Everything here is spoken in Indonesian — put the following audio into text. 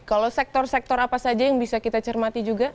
kalau sektor sektor apa saja yang bisa kita cermati juga